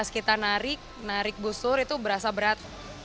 kita narik narik busur itu berasa berat